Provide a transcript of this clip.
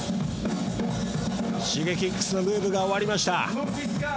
Ｓｈｉｇｅｋｉｘのムーブが終わりました。